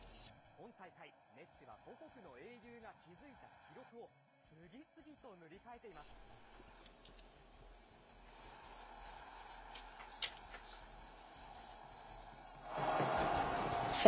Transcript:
今大会、メッシは母国の英雄が築いた記録を次々と塗り替えています。